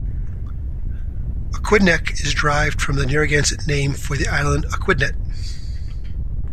"Aquidneck" is derived from the Narragansett name for the island "aquidnet".